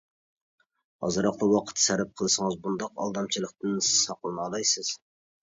ئازراقلا ۋاقىت سەرپ قىلسىڭىز، بۇنداق ئالدامچىلىقتىن ساقلىنالايسىز.